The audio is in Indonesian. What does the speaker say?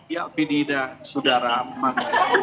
ya vidi sudah ramah